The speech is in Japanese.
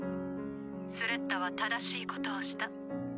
スレッタは正しいことをした。